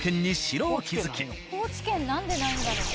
高知県何でないんだろう？